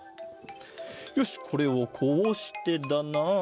よしこれをこうしてだな。